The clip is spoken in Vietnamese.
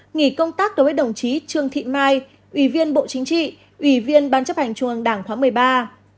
nghỉ công tác đối với đồng chí trương thị mai ủy viên bộ chính trị ủy viên ban chấp hành trung ương đảng khóa một mươi ba